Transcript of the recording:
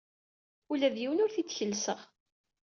Ula d yiwen ur t-id-kellseɣ.